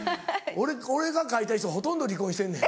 俺が書いた人ほとんど離婚してんねん。